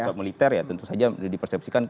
untuk militer ya tentu saja dipersepsikan